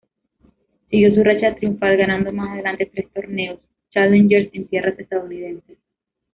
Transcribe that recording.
Siguió su racha triunfal ganando más adelante tres torneos challengers en tierras estadounidenses.